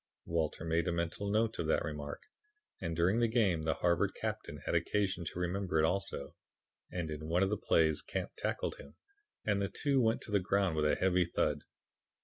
"Walter made a mental note of that remark, and during the game the Harvard captain had occasion to remember it also, when in one of the plays Camp tackled him, and the two went to the ground with a heavy thud.